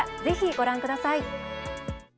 ぜひご覧ください。